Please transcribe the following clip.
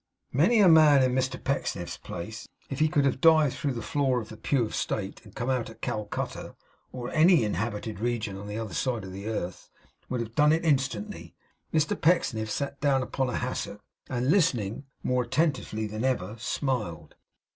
Many a man in Mr Pecksniff's place, if he could have dived through the floor of the pew of state and come out at Calcutta or any inhabited region on the other side of the earth, would have done it instantly. Mr Pecksniff sat down upon a hassock, and listening more attentively than ever, smiled.